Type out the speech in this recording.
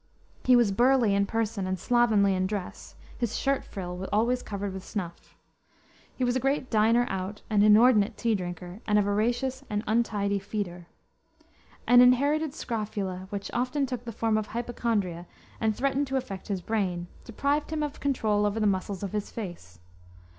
He was burly in person, and slovenly in dress, his shirt frill always covered with snuff. He was a great diner out, an inordinate tea drinker, and a voracious and untidy feeder. An inherited scrofula, which often took the form of hypochondria and threatened to affect his brain, deprived him of control over the muscles of his face.